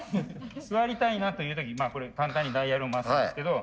座りたいなという時これダイヤルを回すんですけど。